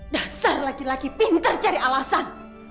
dasar laki laki pinter cari alasan